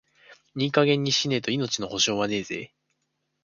いい加減にしねえと、命の保証はねえぜ。